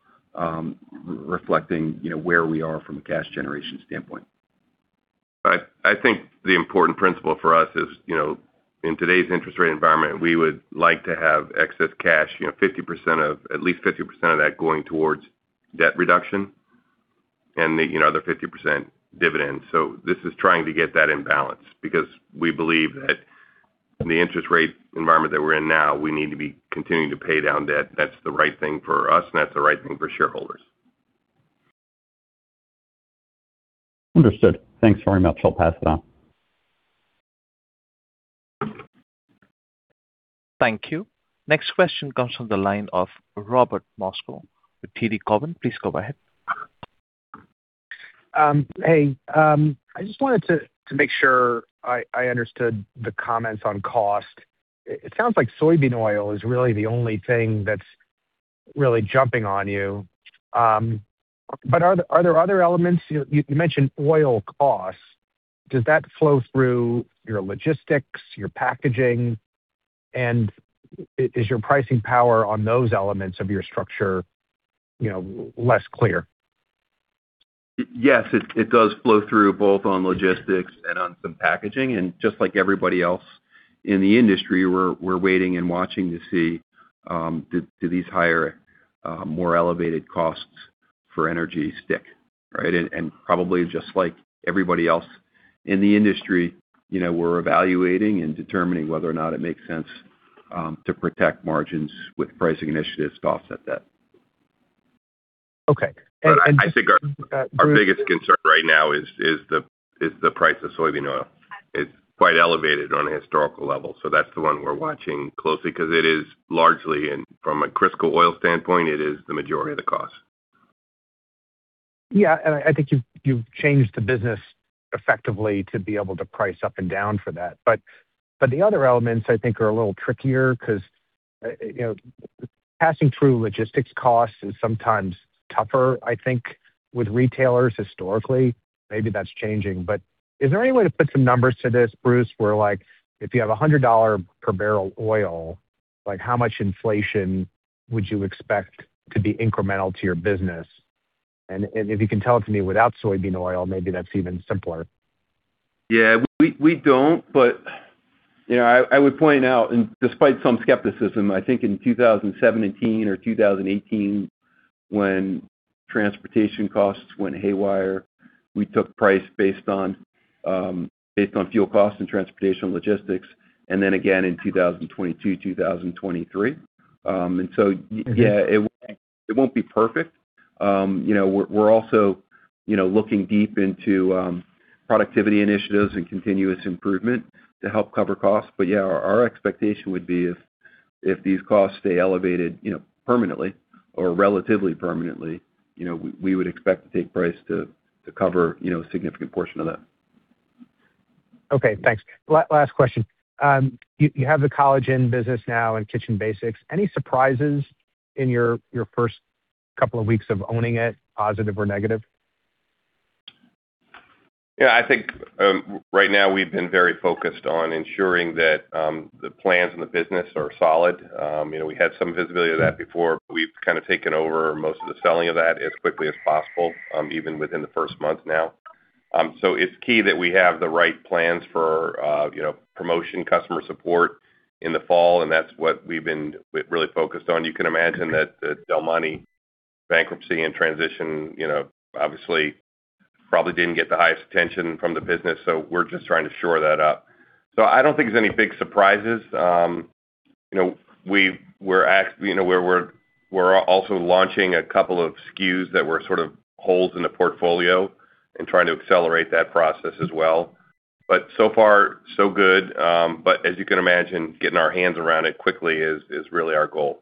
reflecting, you know, where we are from a cash generation standpoint. I think the important principle for us is, you know, in today's interest rate environment, we would like to have excess cash, you know, at least 50% of that going towards debt reduction and you know, the other 50% dividend. This is trying to get that in balance because we believe that in the interest rate environment that we're in now, we need to be continuing to pay down debt. That's the right thing for us, and that's the right thing for shareholders. Understood. Thanks very much. I'll pass it on. Thank you. Next question comes from the line of Robert Moskow with TD Cowen. Please go ahead. Hey, I just wanted to make sure I understood the comments on cost. It sounds like soybean oil is really the only thing that's really jumping on you. Are there other elements? You mentioned oil costs. Does that flow through your logistics, your packaging? Is your pricing power on those elements of your structure, you know, less clear? Yes, it does flow through both on logistics and on some packaging. Just like everybody else in the industry, we're waiting and watching to see, do these higher, more elevated costs for energy stick, right? Probably just like everybody else in the industry, you know, we're evaluating and determining whether or not it makes sense to protect margins with pricing initiatives to offset that. Okay. I think our biggest concern right now is the price of soybean oil. It's quite elevated on a historical level, so that's the one we're watching closely 'cause it is largely, and from a Crisco oil standpoint, it is the majority of the cost. Yeah. I think you've changed the business effectively to be able to price up and down for that. But the other elements I think are a little trickier 'cause, you know, passing through logistics costs is sometimes tougher, I think, with retailers historically. Maybe that's changing, but is there any way to put some numbers to this, Bruce, where like if you have a $100 per barrel oil, like how much inflation would you expect to be incremental to your business? If you can tell it to me without soybean oil, maybe that's even simpler. Yeah. We don't, you know, I would point out, despite some skepticism, I think in 2017 or 2018 when transportation costs went haywire, we took price based on based on fuel costs and transportation logistics, then again in 2022, 2023. Yeah, it won't be perfect. you know, we're also, you know, looking deep into productivity initiatives and continuous improvement to help cover costs. Yeah, our expectation would be if these costs stay elevated, you know, permanently or relatively permanently, you know, we would expect to take price to cover, you know, a significant portion of that. Okay, thanks. Last question. You have the College Inn business now and Kitchen Basics. Any surprises in your first couple of weeks of owning it, positive or negative? Yeah, I think, right now we've been very focused on ensuring that the plans and the business are solid. You know, we had some visibility of that before, but we've kind of taken over most of the selling of that as quickly as possible, even within the first month now. It's key that we have the right plans for, you know, promotion, customer support in the fall, and that's what we've been really focused on. You can imagine that the Del Monte bankruptcy and transition, you know, obviously probably didn't get the highest attention from the business, so we're just trying to shore that up. I don't think there's any big surprises. You know, you know, we're also launching a couple of SKUs that were sort of holes in the portfolio and trying to accelerate that process as well. So far so good. As you can imagine, getting our hands around it quickly is really our goal.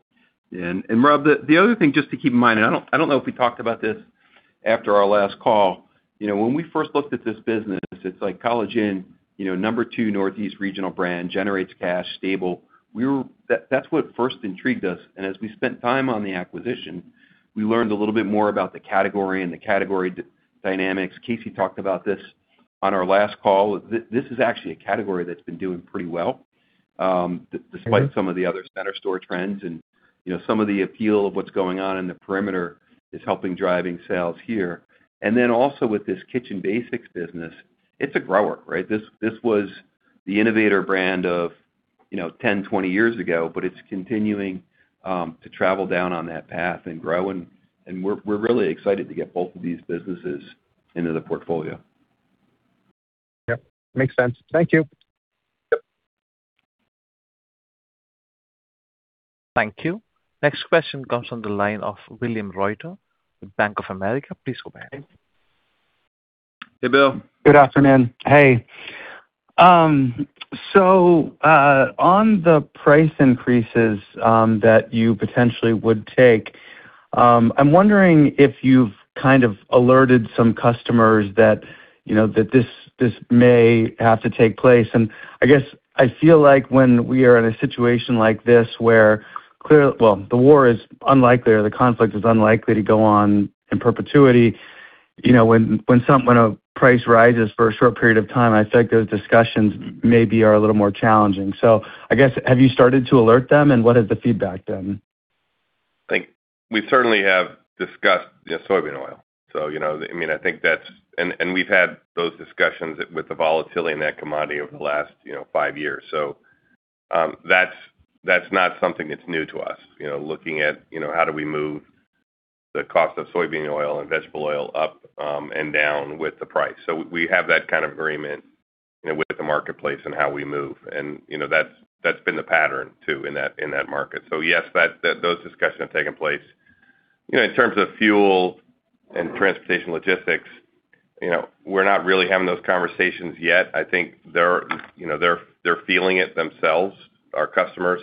Rob, the other thing just to keep in mind, I don't know if we talked about this after our last call. You know, when we first looked at this business, it's like College Inn, you know, number two Northeast regional brand, generates cash, stable. That's what first intrigued us. As we spent time on the acquisition, we learned a little bit more about the category and the category dynamics. Casey talked about this on our last call. This is actually a category that's been doing pretty well, despite some of the other center store trends. You know, some of the appeal of what's going on in the perimeter is helping driving sales here. Then also with this Kitchen Basics business, it's a grower, right? This was the innovator brand of, you know, 10, 20 years ago, but it's continuing to travel down on that path and grow. We're really excited to get both of these businesses into the portfolio. Yep, makes sense. Thank you. Thank you. Next question comes on the line of William Reuter with Bank of America. Please go ahead. Hey, Bill. Good afternoon. Hey. On the price increases that you potentially would take, I'm wondering if you've kind of alerted some customers that, you know, that this may have to take place. I guess I feel like when we are in a situation like this, where—well, the war is unlikely or the conflict is unlikely to go on in perpetuity. You know, when a price rises for a short period of time, I feel like those discussions maybe are a little more challenging. I guess, have you started to alert them, and what has the feedback been? I think we certainly have discussed, you know, soybean oil. You know, I mean, we've had those discussions with the volatility in that commodity over the last, you know, five years. That's not something that's new to us. Looking at, you know, how do we move the cost of soybean oil and vegetable oil up and down with the price. We have that kind of agreement, you know, with the marketplace and how we move. You know, that's been the pattern too in that market. Yes, those discussions have taken place. In terms of fuel and transportation logistics, you know, we're not really having those conversations yet. I think they're, you know, they're feeling it themselves, our customers.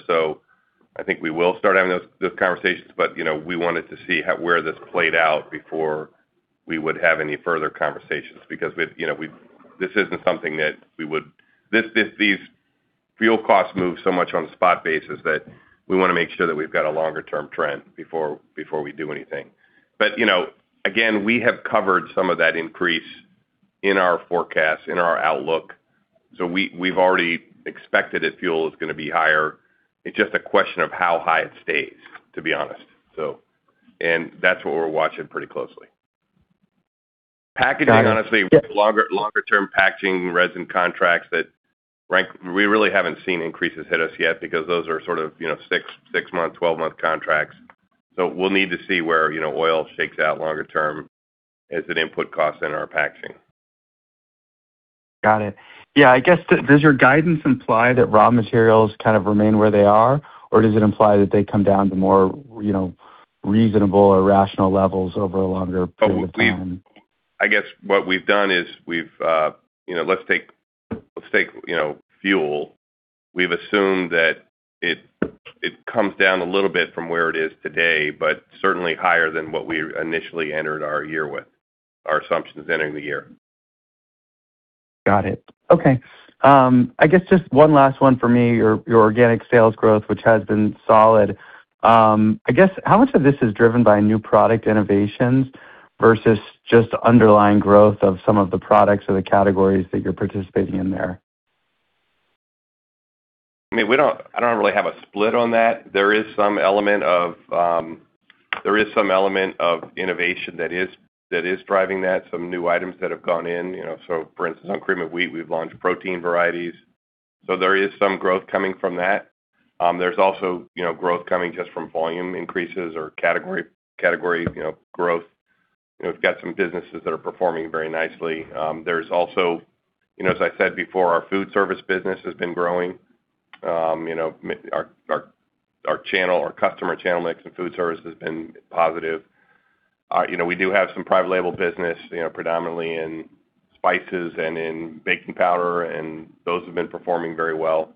I think we will start having those conversations, but, you know, we wanted to see where this played out before we would have any further conversations because we've, you know, this isn't something that we would. These fuel costs move so much on a spot basis that we wanna make sure that we've got a longer-term trend before we do anything. You know, again, we have covered some of that increase in our forecast, in our outlook. We've already expected that fuel is gonna be higher. It's just a question of how high it stays, to be honest. That's what we're watching pretty closely. Packaging, honestly, longer-term packaging resin contracts. We really haven't seen increases hit us yet because those are sort of, you know, 6-month, 12-month contracts. We'll need to see where, you know, oil shakes out longer term as an input cost in our packaging. Got it. Yeah, I guess does your guidance imply that raw materials kind of remain where they are, or does it imply that they come down to more, you know, reasonable or rational levels over a longer period of time? I guess what we've done is we've, you know, let's take, you know, fuel. We've assumed that it comes down a little bit from where it is today, but certainly higher than what we initially entered our year with, our assumptions entering the year. Got it. Okay. I guess just one last one for me. Your organic sales growth, which has been solid, I guess how much of this is driven by new product innovations versus just underlying growth of some of the products or the categories that you're participating in there? I mean, we don't really have a split on that. There is some element of innovation that is driving that, some new items that have gone in. You know, so for instance, on Cream of Wheat, we've launched protein varieties, so there is some growth coming from that. There's also, you know, growth coming just from volume increases or category, you know, growth. You know, we've got some businesses that are performing very nicely. There's also, you know, as I said before, our foodservice business has been growing. You know, our channel, our customer channel mix in foodservice has been positive. You know, we do have some private label business, you know, predominantly in spices and in baking powder, and those have been performing very well.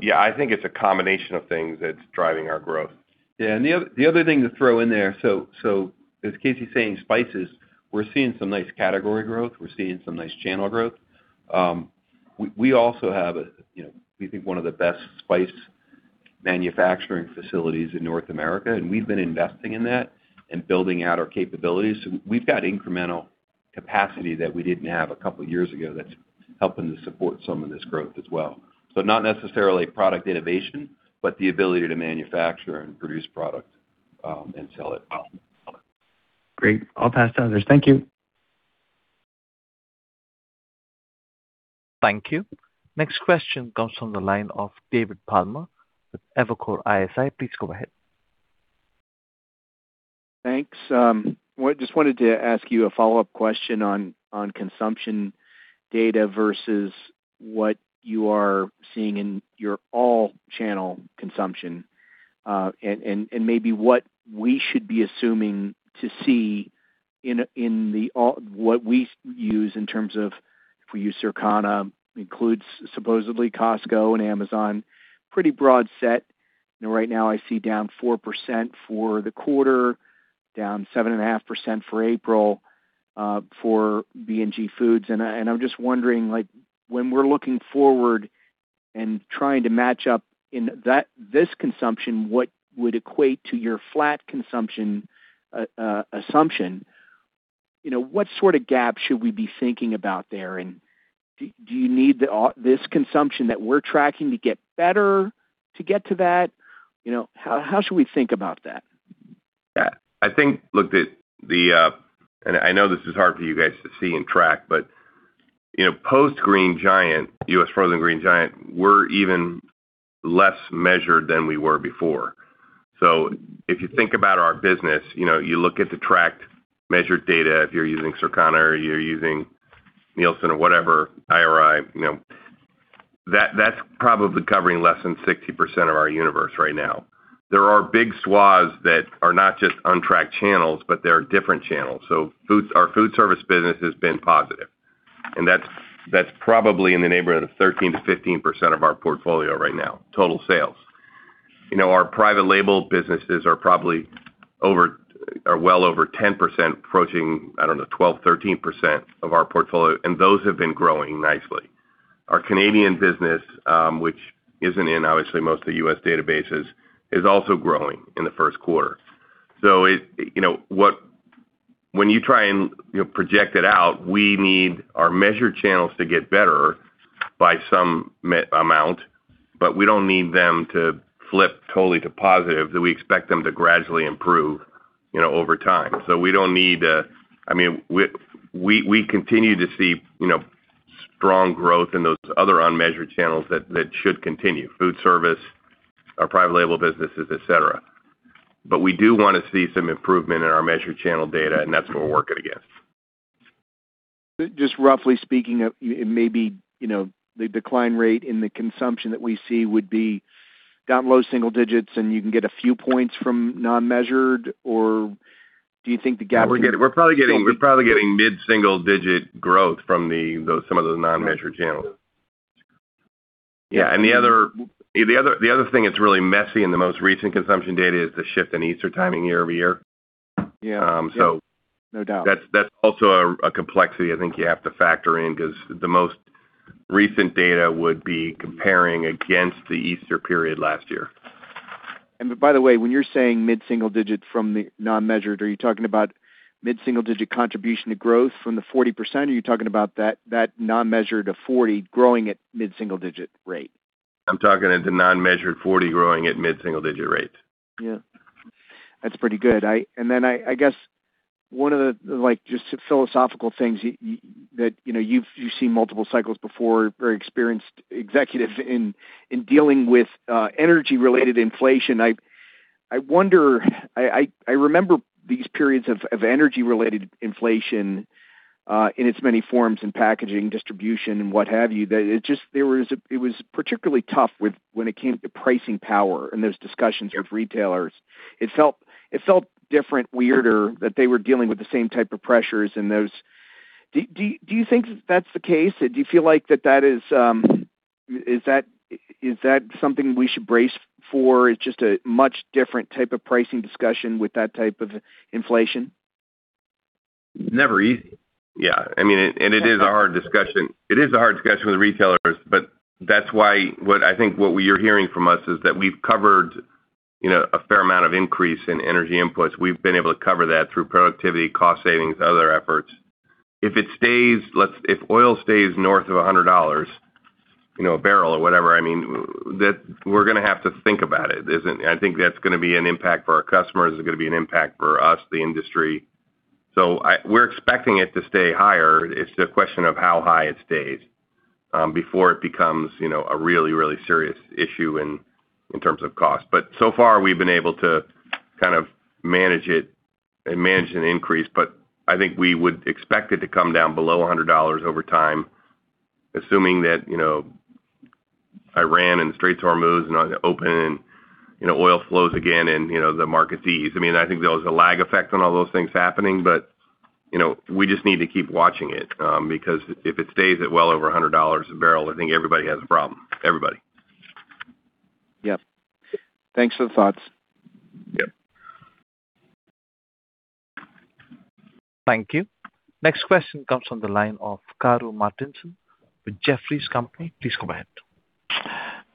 Yeah, I think it's a combination of things that's driving our growth. The other thing to throw in there. As Casey saying, spices, we're seeing some nice category growth. We're seeing some nice channel growth. We also have, you know, we think one of the best spice manufacturing facilities in North America, and we've been investing in that and building out our capabilities. We've got incremental capacity that we didn't have a couple years ago that's helping to support some of this growth as well. Not necessarily product innovation, but the ability to manufacture and produce product and sell it. Great. I'll pass to others. Thank you. Thank you. Next question comes from the line of David Palmer with Evercore ISI. Please go ahead. Thanks. Just wanted to ask you a follow-up question on consumption data versus what you are seeing in your all channel consumption, and maybe what we should be assuming to see in what we use in terms of if we use Circana, includes supposedly Costco and Amazon, pretty broad set. You know, right now I see down 4% for the quarter, down 7.5% for April, for B&G Foods. I'm just wondering, like, when we're looking forward and trying to match up in this consumption, what would equate to your flat consumption assumption? You know, what sort of gap should we be thinking about there? Do you need this consumption that we're tracking to get better to get to that? You know, how should we think about that? Yeah. I know this is hard for you guys to see and track, but, you know, post Green Giant, U.S. frozen Green Giant, we're even less measured than we were before. If you think about our business, you know, you look at the tracked measured data, if you're using Circana or you're using Nielsen or whatever, IRI, you know. That's probably covering less than 60% of our universe right now. There are big swaths that are not just untracked channels, but they are different channels. Our foodservice business has been positive, and that's probably in the neighborhood of 13%-15% of our portfolio right now, total sales. You know, our private label businesses are probably well over 10% approaching, I don't know, 12%, 13% of our portfolio, and those have been growing nicely. Our Canadian business, which isn't in, obviously, most of the U.S. databases, is also growing in the first quarter. When you try and, you know, project it out, we need our measured channels to get better by some amount, but we don't need them to flip totally to positive, that we expect them to gradually improve, you know, over time. We don't need to I mean, we continue to see, you know, strong growth in those other unmeasured channels that should continue. Foodservice, our private label businesses, et cetera. We do wanna see some improvement in our measured channel data, and that's what we're working against. Just roughly speaking of it may be, you know, the decline rate in the consumption that we see would be down low single digits, and you can get a few points from non-measured? We're probably getting mid-single-digit growth from some of those non-measured channels. Yeah. The other thing that's really messy in the most recent consumption data is the shift in Easter timing year-over-year. Yeah. Um, so— No doubt. That's also a complexity I think you have to factor in 'cause the most recent data would be comparing against the Easter period last year. By the way, when you're saying mid-single digit from the non-measured, are you talking about mid-single-digit contribution to growth from the 40%? Are you talking about that non-measured of 40% growing at mid-single-digit rate? I'm talking at the non-measured 40% growing at mid-single-digit rate. Yeah. That's pretty good. I guess one of the, like, just philosophical things you know, you've seen multiple cycles before, very experienced executive in dealing with energy-related inflation. I wonder, I remember these periods of energy-related inflation, in its many forms in packaging, distribution, and what have you, that it was particularly tough when it came to pricing power and those discussions with retailers. It felt different, weirder, that they were dealing with the same type of pressures. Do you think that's the case? Do you feel like that is something we should brace for? It's just a much different type of pricing discussion with that type of inflation? Never easy. Yeah. I mean, it is a hard discussion. It is a hard discussion with retailers, but that's why what I think what we are hearing from us is that we've covered, you know, a fair amount of increase in energy inputs. We've been able to cover that through productivity, cost savings, other efforts. If it stays, if oil stays north of $100, you know, a barrel or whatever, I mean, we're gonna have to think about it. I think that's gonna be an impact for our customers. It's gonna be an impact for us, the industry. We're expecting it to stay higher. It's the question of how high it stays before it becomes, you know, a really, really serious issue in terms of cost. So far, we've been able to kind of manage it and manage an increase, but I think we would expect it to come down below $100 over time, assuming that, you know, Iran and the Strait of Hormuz and are open and, you know, oil flows again and, you know, the market sees. I mean, I think there was a lag effect on all those things happening, but, you know, we just need to keep watching it, because if it stays at well over $100 a barrel, I think everybody has a problem. Everybody. Yep. Thanks for the thoughts. Yep. Thank you. Next question comes from the line of Karru Martinson with Jefferies. Please go ahead.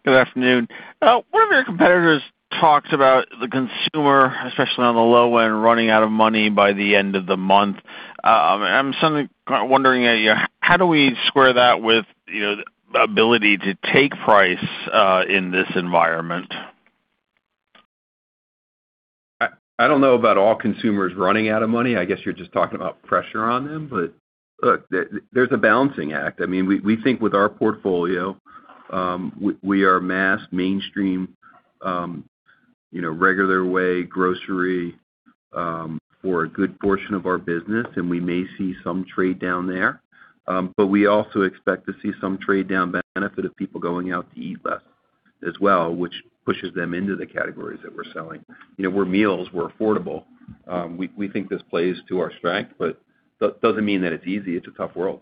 Good afternoon. One of your competitors talks about the consumer, especially on the low end, running out of money by the end of the month. I'm suddenly kind of wondering, how do we square that with, you know, the ability to take price, in this environment? I don't know about all consumers running out of money. I guess you're just talking about pressure on them. Look, there's a balancing act. I mean, we think with our portfolio, we are mass mainstream, you know, regular way grocery, for a good portion of our business, and we may see some trade-down there. We also expect to see some trade-down benefit of people going out to [eat] as well, which pushes them into the categories that we're selling. You know, we're meals, we're affordable. We think this plays to our strength, but doesn't mean that it's easy. It's a tough world.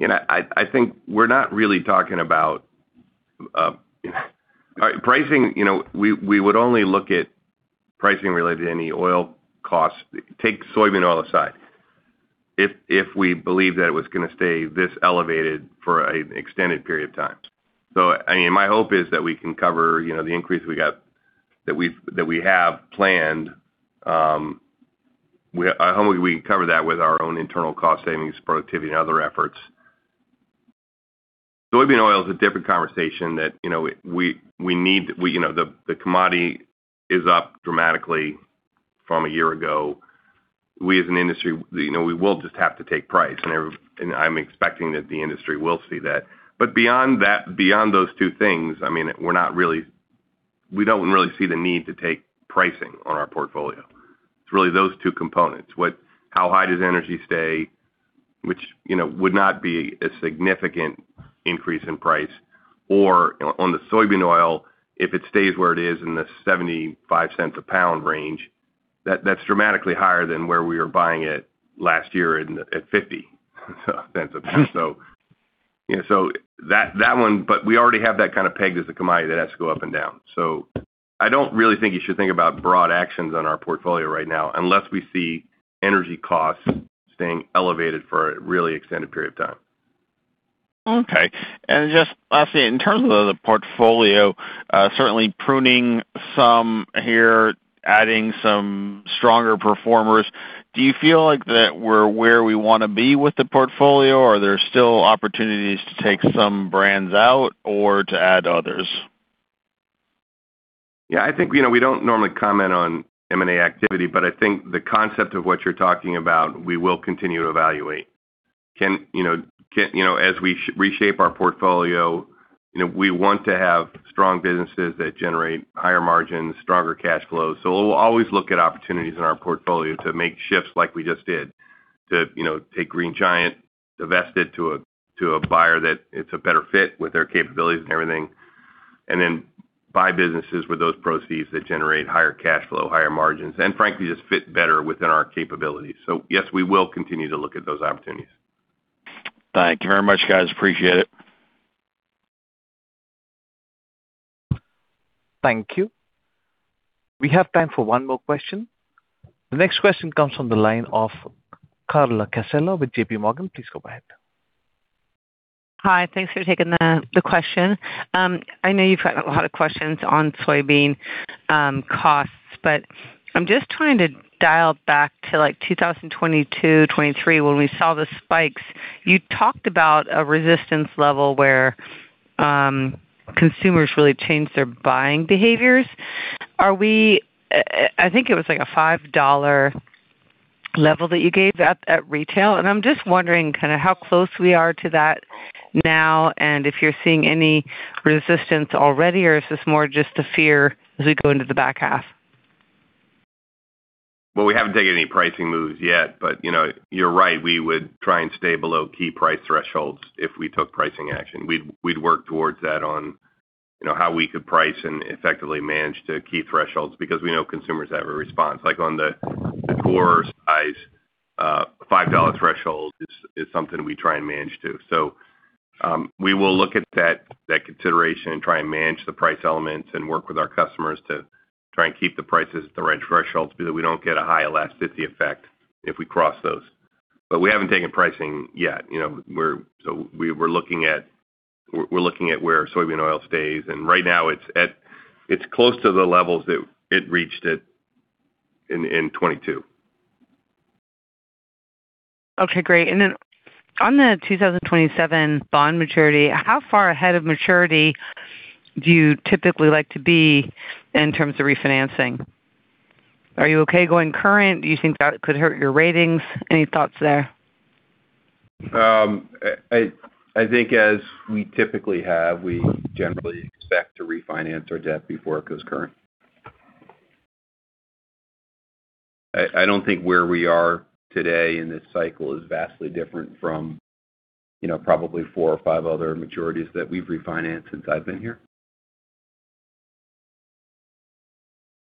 I think we're not really talking about pricing, you know, we would only look at pricing related to any oil costs, take soybean oil aside, if we believe that it was gonna stay this elevated for an extended period of time. I mean, my hope is that we can cover, you know, the increase that we have planned. Hopefully, we can cover that with our own internal cost savings, productivity, and other efforts. Soybean oil is a different conversation that, you know, we, you know, the commodity is up dramatically from a year ago. We, as an industry, you know, we will just have to take price, and I'm expecting that the industry will see that. Beyond that, beyond those two things, I mean, we don't really see the need to take pricing on our portfolio. It's really those two components. How high does energy stay, which, you know, would not be a significant increase in price or, on the soybean oil, if it stays where it is in the $0.75 a pound range, that's dramatically higher than where we were buying it last year in, at $0.50 a pound. You know, that one we already have that kind of pegged as a commodity that has to go up and down. I don't really think you should think about broad actions on our portfolio right now unless we see energy costs staying elevated for a really extended period of time. Okay. Just lastly, in terms of the portfolio, certainly pruning some here, adding some stronger performers, do you feel like that we're where we wanna be with the portfolio, or are there still opportunities to take some brands out or to add others? Yeah, I think, you know, we don't normally comment on M&A activity, but I think the concept of what you're talking about, we will continue to evaluate. Can, you know, as we reshape our portfolio, you know, we want to have strong businesses that generate higher margins, stronger cash flow. We'll always look at opportunities in our portfolio to make shifts like we just did to, you know, take Green Giant, divest it to a buyer that it's a better fit with their capabilities and everything, and then buy businesses with those proceeds that generate higher cash flow, higher margins, and frankly, just fit better within our capabilities. Yes, we will continue to look at those opportunities. Thank you very much, guys. Appreciate it. Thank you. We have time for one more question. The next question comes from the line of Carla Casella with JPMorgan. Please go ahead. Hi. Thanks for taking the question. I know you've got a lot of questions on soybean costs, but I'm just trying to dial back to 2022, 2023 when we saw the spikes. You talked about a resistance level where consumers really changed their buying behaviors. Are we? I think it was a $5 level that you gave at retail, and I'm just wondering how close we are to that now and if you're seeing any resistance already, or is this more just a fear as we go into the back half? Well, we haven't taken any pricing moves yet, you know, you're right, we would try and stay below key price thresholds if we took pricing action. We'd work towards that on, you know, how we could price and effectively manage the key thresholds because we know consumers have a response. Like, on the core size, $5 threshold is something we try and manage to. We will look at that consideration and try and manage the price elements and work with our customers to try and keep the prices at the right thresholds so that we don't get a high elasticity effect if we cross those. We haven't taken pricing yet. You know, we're looking at where soybean oil stays, right now it's close to the levels that it reached at in 2022. Okay, great. On the 2027 bond maturity, how far ahead of maturity do you typically like to be in terms of refinancing? Are you okay going current? Do you think that could hurt your ratings? Any thoughts there? I think as we typically have, we generally expect to refinance our debt before it goes current. I don't think where we are today in this cycle is vastly different from, you know, probably four or five other maturities that we've refinanced since I've been here.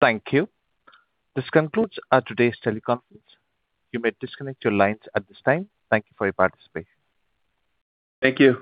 Thank you. This concludes today's teleconference. You may disconnect your lines at this time. Thank you for your participation. Thank you.